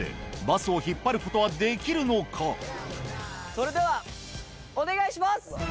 それではお願いします！